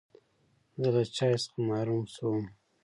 زه له چای څخه محروم شوم.